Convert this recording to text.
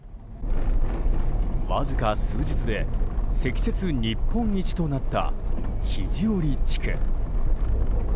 わずか数日で積雪日本一となった肘折地区。